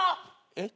えっ？